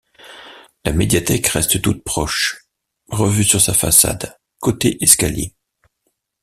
La médiathèque reste toute proche, revue sur sa façade côté escalier.